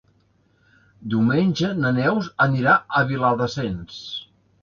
Diumenge na Neus anirà a Viladasens.